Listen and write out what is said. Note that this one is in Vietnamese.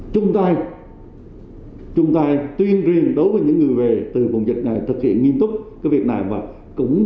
chúng ta tuyên riêng đối với những người về từ vùng dịch này thực hiện nghiên túc cái việc này và cũng